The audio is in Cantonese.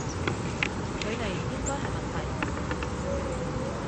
距離唔應該係問題